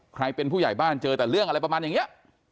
ใครเป็นผู้ใหญ่บ้านเจอแต่เรื่องอะไรประมาณอย่างนี้